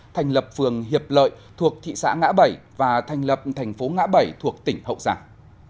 thành lập phường hiệp lợi thuộc thị xã ngã bảy và thành lập thành phố ngã bảy thuộc tỉnh hậu giang